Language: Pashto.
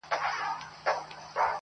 د کوثر له حوضه ډکه پیمانه يې,